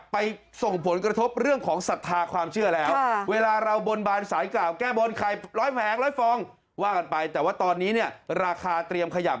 ไปคุยกับท่านได้ขอฝากด้วยนะครับ